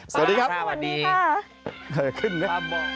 สวัสดีครับสวัสดีค่ะ